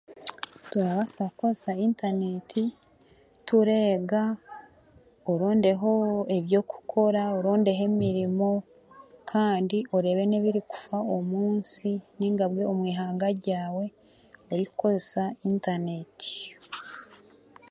Turabaasa kukoresa intaneeti, tureega, orondeho eby'okukora orondeho emirimo, kandi oreebe n'ebirikufa omunsi nainga bwe omu ihanga ryawe orikukozesa intaneeti